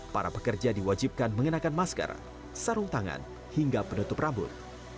para pekerja diwajibkan mengenakan masker sarung tangan hingga penutup rambut